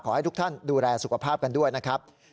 ให้ทุกท่านดูแลสุขภาพกันด้วยนะครับ